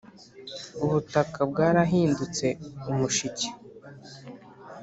ubutaka bwarahindutse umushike.